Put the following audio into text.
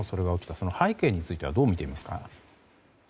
その背景についてはどう見ていますか。